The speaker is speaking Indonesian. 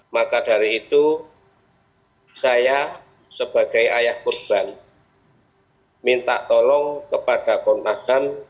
maka dari itu saya sebagai ayah korban minta tolong kepada komnas ham